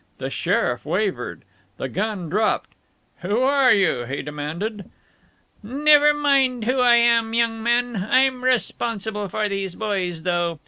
The sheriff wavered. The gun dropped. "Who are you?" he demanded. "Never you mind who I am, young man. I'm responsible for these boys, though.